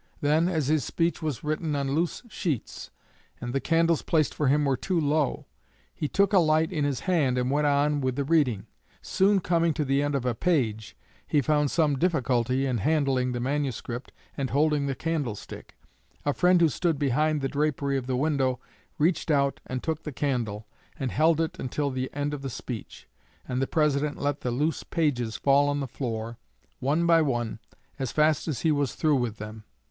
Then, as his speech was written on loose sheets, and the candles placed for him were too low, he took a light in his hand and went on with his reading. Soon coming to the end of a page, he found some difficulty in handling the manuscript and holding the candlestick. A friend who stood behind the drapery of the window reached out and took the candle, and held it until the end of the speech, and the President let the loose pages fall on the floor, one by one, as fast as he was through with them.